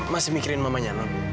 masih mikirin mamanya non